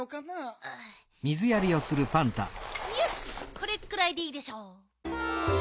これくらいでいいでしょ。